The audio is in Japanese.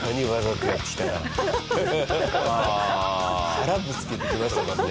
腹ぶつけてきましたもんね。